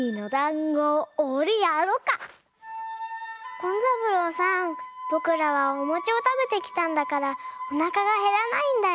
紺三郎さんぼくらはおもちをたべてきたんだからおなかがへらないんだよ。